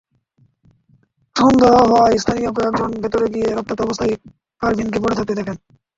সন্দেহ হওয়ায় স্থানীয় কয়েকজন ভেতরে গিয়ে রক্তাক্ত অবস্থায় পারভিনকে পড়ে থাকতে দেখেন।